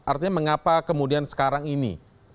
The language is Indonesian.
artinya mengapa kemudian sekarang ini